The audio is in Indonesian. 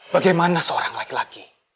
bagaimana seorang laki laki